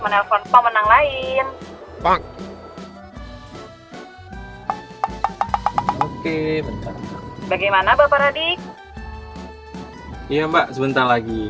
menelpon pemenang lain pak oke bentar bentar bagaimana bapak radik iya mbak sebentar lagi